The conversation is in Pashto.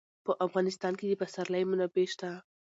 په افغانستان کې د پسرلی منابع شته.